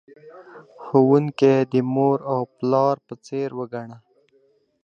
ښوونکی د مور او پلار په څیر وگڼه.